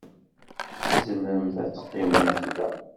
Tzemremt ad teqqimemt da.